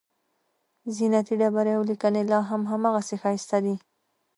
زینتي ډبرې او لیکنې لاهم هماغسې ښایسته دي.